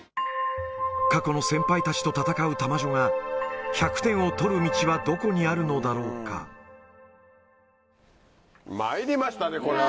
過去の先輩たちと戦う玉女が、１００点を取る道はどこにあるのまいりましたね、これは。